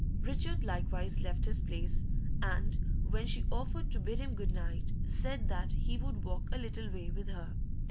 Richard likewise left his place, and, when she offered to bid him good night, said that he would walk a little way with her.